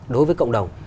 đối với cộng đồng